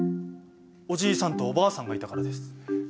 おじいさんとおばあさんがいたからです。